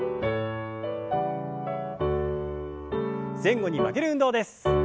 前後に曲げる運動です。